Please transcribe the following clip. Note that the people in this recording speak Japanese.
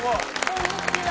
こんにちは。